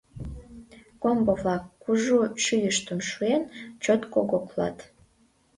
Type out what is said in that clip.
Комбо-влак, кужу шӱйыштым шуен, чот когоклат.